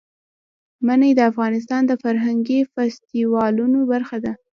منی د افغانستان د فرهنګي فستیوالونو برخه ده.